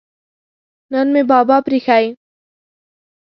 نه مې بابا پریښی.